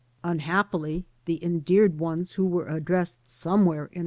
Unhappily, the endeared ones who were addressed somewhere in.